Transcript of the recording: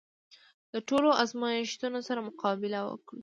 د ټولو ازمېښتونو سره مقابله وکړو.